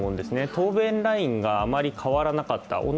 答弁ラインがあんまり変わらなかった。